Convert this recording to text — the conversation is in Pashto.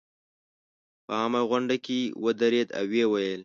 په عامه غونډه کې ودرېد او ویې ویل.